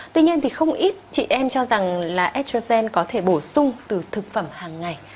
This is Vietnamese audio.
tuy nhiên thì không ít chị em cho rằng là ethrasen có thể bổ sung từ thực phẩm hàng ngày